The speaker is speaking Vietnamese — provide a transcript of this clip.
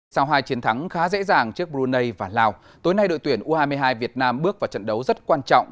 sau hai chiến thắng khá dễ dàng trước brunei và lào tối nay đội tuyển u hai mươi hai việt nam bước vào trận đấu rất quan trọng